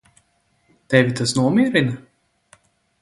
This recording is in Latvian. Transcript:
Tevi tas nomierina?